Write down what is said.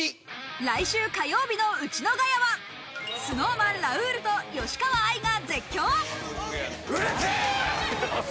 来週火曜日の『ウチのガヤ』はＳｎｏｗＭａｎ・ラウールと吉川愛が絶叫！